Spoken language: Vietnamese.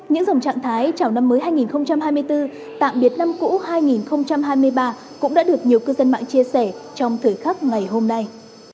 những dòng trạng thái chào năm mới hai nghìn hai mươi bốn tạm biệt năm cũ hai nghìn hai mươi ba cũng đã được nhiều cư dân mạng chia sẻ trong thời khắc ngày hôm nay